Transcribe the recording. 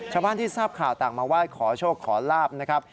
ชาวบ้านที่ทราบข่าวต่างมาไหว้ขอโชคขอลาบนะครับ